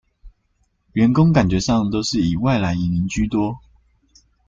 員工感覺上都是以外來移民居多